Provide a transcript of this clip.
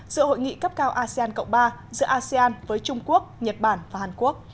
giữa hội nghị cấp cao asean cộng ba giữa asean với trung quốc nhật bản và hàn quốc